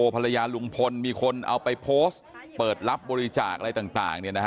ภรรยาลุงพลมีคนเอาไปโพสต์เปิดรับบริจาคอะไรต่าง